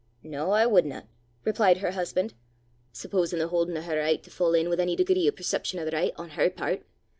"No, I wudna," replied her husband, " supposin' the haudin' o' her richt to fa' in wi' ony degree o' perception o' the richt on her pairt.